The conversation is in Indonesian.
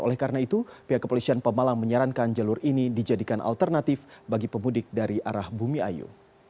oleh karena itu pihak kepolisian pemalang menyarankan jalur ini dijadikan alternatif bagi pemudik dari arah bumi ayu